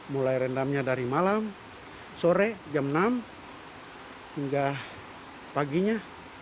mulai rendamnya dari malam sore jam enam hingga paginya